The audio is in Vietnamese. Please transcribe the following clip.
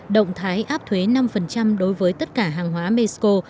động thái áp thuế năm đối với tất cả hàng hóa mexico